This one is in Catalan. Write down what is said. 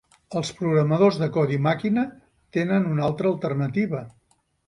Els programadors de codi màquina tenen una altra alternativa.